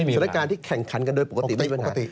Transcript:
สถานการณ์ที่แข่งขันกันโดยปกติไม่เป็นปกติ